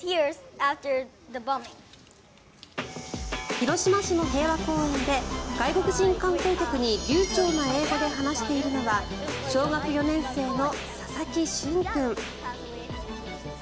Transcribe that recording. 広島市の平和公園で外国人観光客に流ちょうな英語で話しているのは小学４年生の佐々木駿君。